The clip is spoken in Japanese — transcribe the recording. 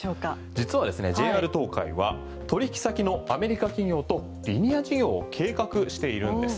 実はＪＲ東海は取引先のアメリカ企業とリニア事業を計画しているんです。